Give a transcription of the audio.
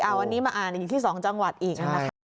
เอาอันนี้มาอ่านอีกที่๒จังหวัดอีก